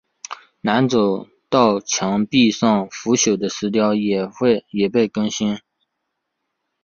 南走道墙壁上腐朽的石雕也被更新。